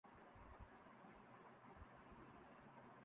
چترال کا یہ بے مثال حسن دیکھنے والوں پر سحر طاری کردیتا ہے